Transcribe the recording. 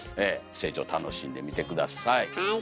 成長楽しんでみて下さい。はい。